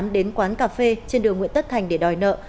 đến quán cà phê trên đường nguyễn tất thành để đòi nợ